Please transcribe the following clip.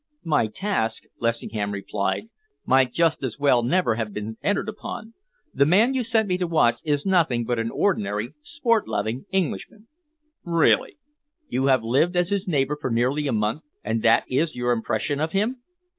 "My task," Lessingham replied, "might just as well never have been entered upon. The man you sent me to watch is nothing but an ordinary sport loving Englishman." "Really! You have lived as his neighbour for nearly a month, and that is your impression of him?"